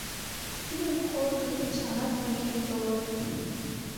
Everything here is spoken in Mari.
Тидым колыт гын, чыланат мый декем толыт!..